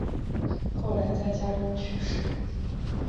后来在家中去世。